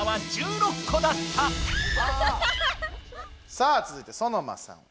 さあつづいてソノマさん。